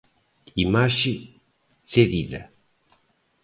Imaxe: cedida.